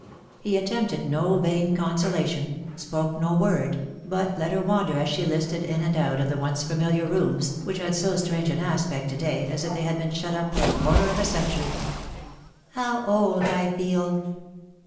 He attempted no vain consolation, spoke no word, but let her wander as she listed in and out of the once familiar rooms, which had so strange an aspect to day, as if they had been shut up for a quarter of a century. " How old I feel